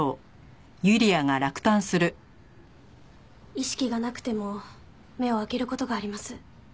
意識がなくても目を開ける事があります。